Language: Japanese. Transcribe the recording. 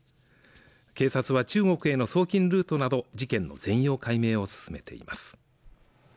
警察は中国への送金ルートなど事件の全容解明を進めています